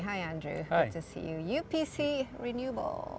hai andrew keren bertemu anda upc renewables